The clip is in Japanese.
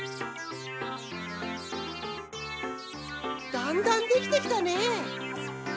だんだんできてきたね。